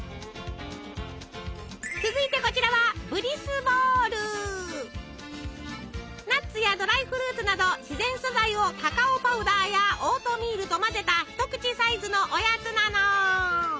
続いてこちらはナッツやドライフルーツなど自然素材をカカオパウダーやオートミールと混ぜた一口サイズのおやつなの。